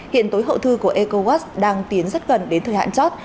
hiện túi hậu thư của ecowas đang tiến rất gần đến thời hạn chót